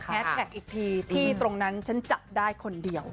แท็กอีกทีที่ตรงนั้นฉันจับได้คนเดียว